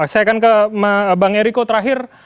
saya akan ke bang eriko terakhir